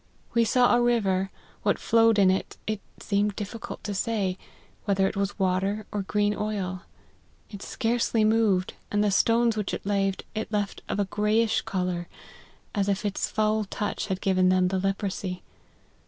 We saw a river ; what flowed in it, it seemed difficult to say, whether it was wa ter, or green oil ; it scarcely moved, and the stones which it laved, it left of a greyish colour, as if its foul touch had given them the leprosy.